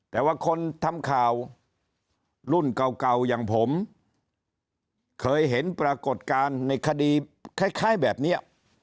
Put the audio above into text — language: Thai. แต่ว่าคนทำข่าวรุ่นเก่าอย่างผมเคยเห็นปรากฏการณ์ในคดีคล้ายแบบนี้